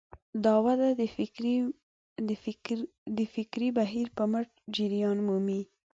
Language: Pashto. دا وده د فکري بهیر په مټ جریان مومي.